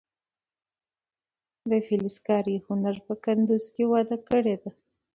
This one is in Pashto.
د فلزکارۍ هنر په کندز کې وده کړې ده.